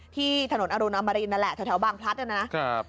ที่ถนนอรุณมะรินไทยแถวบางพลัดนี้นะครับ